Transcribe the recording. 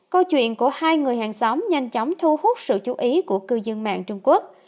câu chuyện của hai người hàng xóm nhanh chóng thu hút sự chú ý của cư dân mạng trung quốc